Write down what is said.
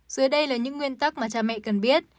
dưới đây là những nguyên tắc mà cha mẹ cần biết